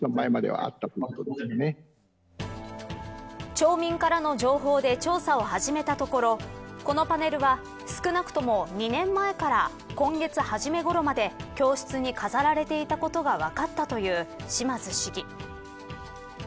町民からの情報で調査を始めたところこのパネルは、少なくとも２年前から今月初めごろまで教室に飾られていたことが分かったという島津市議。